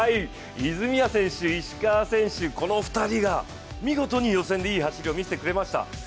泉谷選手、石川選手の２人が見事に予選でいい走りを見せてくれました。